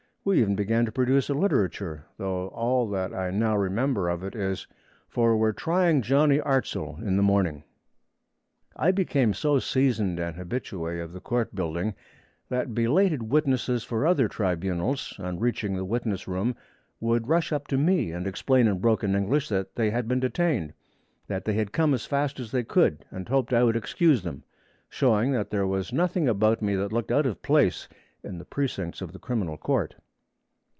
We even began to produce a literature, though all that I now remember of it is, 'For we're trying Johnny Artzle in the morning.' I became so seasoned an habitué of the court building that belated witnesses for other tribunals, on reaching the witness room, would rush up to me and explain in broken English that they had been detained, that they had come as fast as they could and hoped I would excuse them; showing that there was nothing about me that looked out of place in the precincts of the Criminal Court.